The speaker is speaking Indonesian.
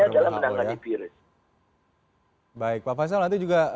kini adalah menangani virus baik pak faisal nanti juga